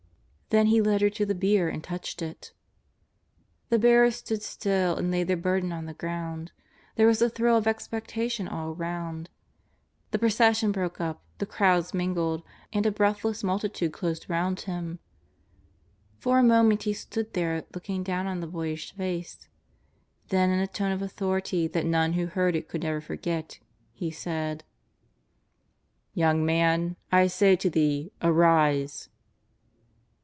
Tlien He led her to the bier and touched it. The bearers stood still and laid their burden on the ground. There was a thrill of expecta tion all around. The procession broke up, the crowds mingled, and a breathless multitude closed round Him. For a moment He stood there looking down on the boyish face. Then in a tone of authority that none who heard it could ever forget, He said :" Young man, I say to thee, arise